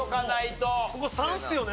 ここ３ですよね。